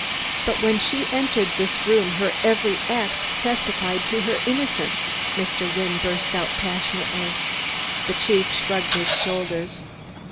"But when she entered this room her every act testified to her innocence," Mr. Wynne burst out passionately. The chief shrugged his shoulders.